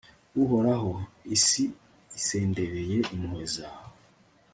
uhoraho, isi isendereye impuhwe zawe